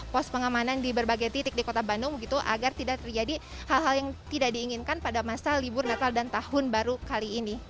pos pengamanan di berbagai titik di kota bandung begitu agar tidak terjadi hal hal yang tidak diinginkan pada masa libur natal dan tahun baru kali ini